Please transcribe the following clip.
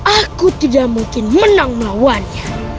aku tidak mungkin menang melawannya